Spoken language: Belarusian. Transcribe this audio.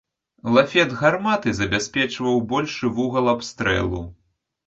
Лафет гарматы забяспечваў большы вугал абстрэлу.